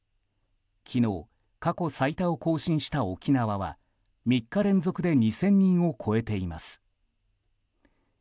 昨日、過去最多を更新した沖縄は３日連続で２０００人を超えています。